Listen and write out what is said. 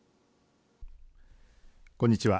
こんにちは。